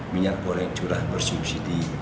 minyak goreng curah bersubsidi